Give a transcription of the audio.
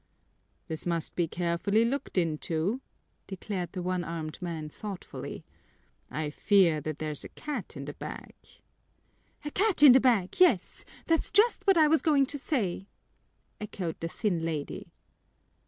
"This must be carefully looked into," declared the one armed man thoughtfully. "I fear that there's a cat in the bag." "A cat in the bag, yes! That's just what I was going to say," echoed the thin lady.